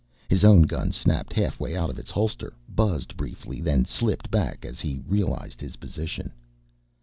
His own gun snapped halfway out of its holster, buzzed briefly, then slipped back as he realized his position.